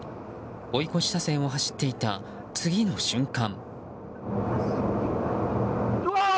追い越し車線を走っていた次の瞬間。